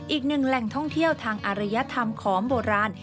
อีกหนึ่งแหล่งท่องเที่ยวทางอารยธรรมของโบราณ